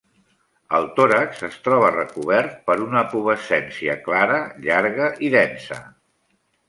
El tòrax es troba recobert per una pubescència clara, llarga i densa.